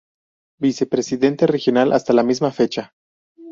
Vicepresidente Regional hasta la misma fecha.